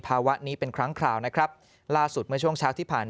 ภาวะนี้เป็นครั้งคราวนะครับล่าสุดเมื่อช่วงเช้าที่ผ่าน